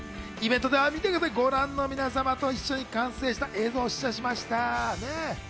イベントでは見てください、ご覧の皆様と一緒に完成した映像を試写しました。